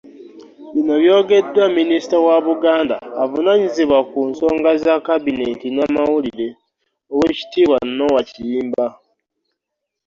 Bino byogeddwa Minisita wa Buganda avunaanyizibwa ku nsonga za Kabineeti n'amawulire, Oweekitiibwa Noah Kiyimba,